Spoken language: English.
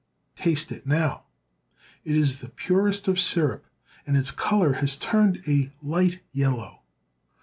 Taste it now. It is the purest of sirup, and its color has turned a light yellow.